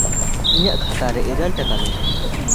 ᱤᱧᱟᱜ ᱠᱷᱟᱛᱟ ᱨᱮ ᱤᱨᱟᱹᱞ ᱴᱟᱠᱟ ᱢᱮᱱᱟᱜᱼᱟ᱾